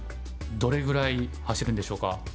どれぐらい走るんでしょうか？